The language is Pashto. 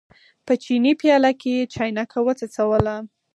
په چیني پیاله کې یې چاینکه وڅڅوله.